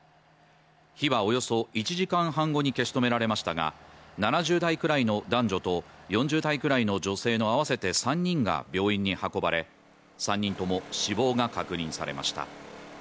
火はおよそ１時間半後に消し止められましたが７０代くらいの男女と４０代くらいの女性の合わせて３人が病院に運ばれ３人とも死亡が確認されました。